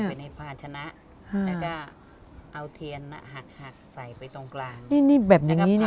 ใส่ไปในภาชนะแล้วก็เอาเทียนน่ะหักใส่ไปตรงกลางนี่นี่แบบอย่างงี้เนี่ย